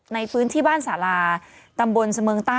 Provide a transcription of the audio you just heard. ในพื้นที่บ้านสาราตำบลเสมิงต้า